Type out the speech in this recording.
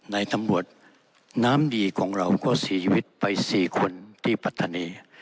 ในตำรวจน้ำดีของเราก็เสียชีวิตไป๔คนที่ปัตตานี